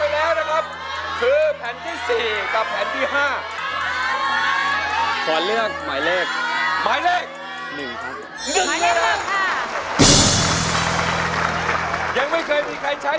จะเชื่อภรรยาคนไหน